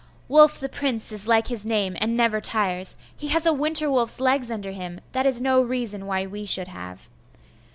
'Wulf the Prince is like his name, and never tires; he has a winter wolf's legs under him; that is no reason why we should have.